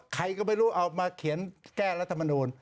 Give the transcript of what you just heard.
ใครก็ไม่รู้เอามาเขียนแก้รัฐมนูล